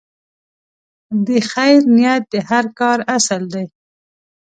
د خیر نیت د هر کار اصل دی.